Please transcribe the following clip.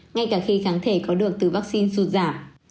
ngay cả khi kháng thể có được từ vaccine suy dụng